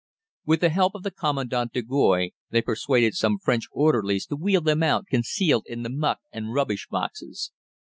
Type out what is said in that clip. With the help of the Commandant de Goys they persuaded some French orderlies to wheel them out concealed in the muck and rubbish boxes.